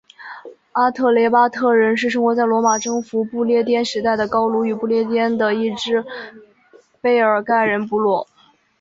阿特雷巴特人是生活在罗马征服不列颠时代的高卢与不列颠的一只贝尔盖人部落。